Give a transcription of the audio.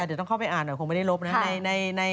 เดี๋ยวต้องเข้าไปอ่านหน่อยคงไม่ได้ลบนะ